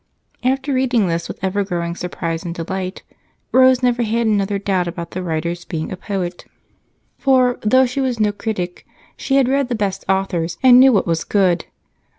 After reading this with ever growing surprise and delight, Rose never had another doubt about the writer's being a poet, for though she was no critic, she had read the best authors and knew what was good.